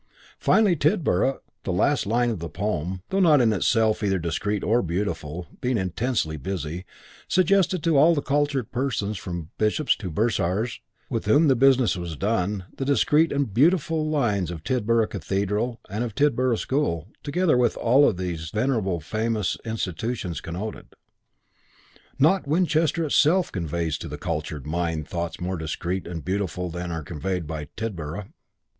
Finally Tidborough, the last line of the poem, though not in itself either discreet or beautiful, being intensely busy, suggested to all the cultured persons from bishops to bursars, with whom business was done, the discreet and beautiful lines of Tidborough Cathedral and of Tidborough School, together with all that these venerable and famous institutions connoted. Not Winchester itself conveys to the cultured mind thoughts more discreet and beautiful than are conveyed by Tidborough.